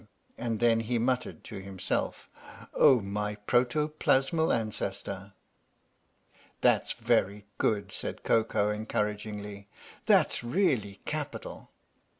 And then he muttered to himself: "Oh, my Protoplasmal Ancestor !" "That's very good," said Koko, encouragingly. "That's really capital."